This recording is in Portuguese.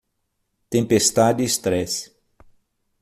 Tempestade e estresse.